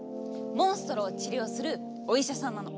モンストロを治療するお医者さんなの。